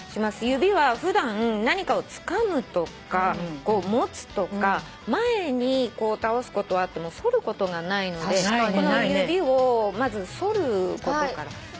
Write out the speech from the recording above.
指は普段何かをつかむとか持つとか前に倒すことはあっても反ることがないのでこの指をまず反ることから。